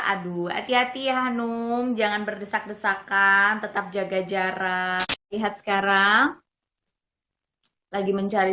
aduh hati hati ya hanum jangan berdesak desakan tetap jaga jarak lihat sekarang lagi mencari